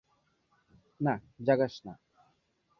না, জাগাস না।